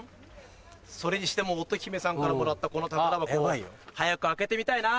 それにしても乙姫さんからもらったこの宝箱早く開けてみたいな。